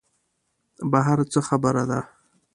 بهر څه خبره ده.